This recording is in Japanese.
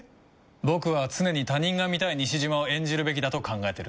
僕は常に他人が見たい西島を演じるべきだと考えてるんだ。